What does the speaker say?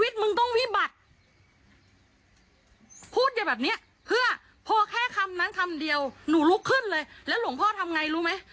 ถ้าคำนั้นคำเดียวหนูลุกขึ้นเลยแล้วหลวงพ่อทำไงรู้มั้ย